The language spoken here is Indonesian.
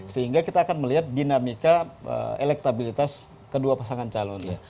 sehingga kita akan melihat dinamika elektabilitas kedua pasangan calon